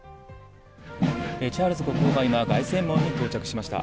チャールズ国王は今、凱旋門に到着しました。